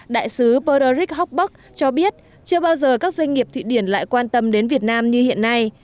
đại sứ berarik hockburg cho biết chưa bao giờ các doanh nghiệp thụy điển lại quan tâm đến việt nam như hiện nay